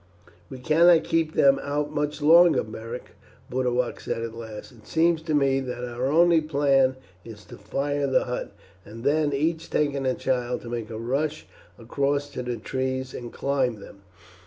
"We cannot keep them out much longer, Beric," Boduoc said at last. "It seems to me that our only plan is to fire the hut, and then, each taking a child, to make a rush across to the trees and climb them.